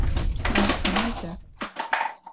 Ar sımaca?